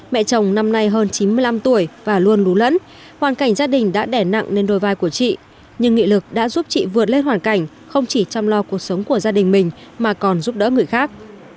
mẹ chồng năm nay hơn chín mươi năm tuổi và luôn lún lẫn hoàn cảnh gia đình đã đẻ nặng lên đôi vai của chị nhưng nghị lực đã giúp chị vượt lên hoàn cảnh không chỉ chăm lo cuộc sống của gia đình mình mà còn giúp đỡ người khác